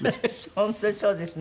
本当にそうですね。